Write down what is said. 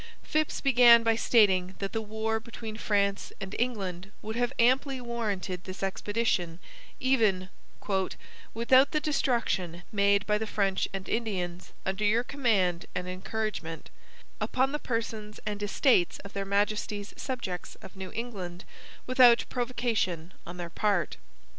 Phips began by stating that the war between France and England would have amply warranted this expedition even 'without the destruction made by the French and Indians, under your command and encouragement, upon the persons and estates of their Majesties' subjects of New England, without provocation on their part.'